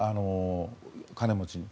金持ちに。